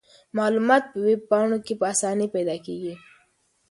معلومات په ویب پاڼو کې په اسانۍ پیدا کیږي.